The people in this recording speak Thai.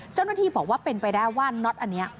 เจ้าหน้าที่บอกว่าเป็นไปได้ว่าน็อตอันนี้